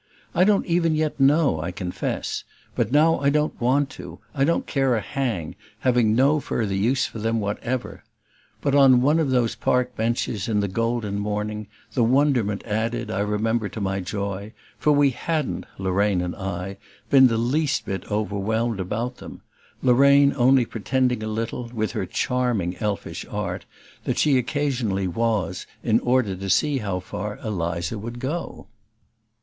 I don't even yet know, I confess; but now I don't want to I don't care a hang, having no further use for them whatever. But on one of the Park benches, in the golden morning, the wonderment added, I remember, to my joy, for we hadn't, Lorraine and I, been the least bit overwhelmed about them: Lorraine only pretending a little, with her charming elfish art, that she occasionally was, in order to see how far Eliza would go.